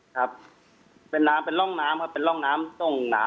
ครับเป็นน้ำเป็นร่องน้ำครับเป็นร่องน้ำตรงน้ำ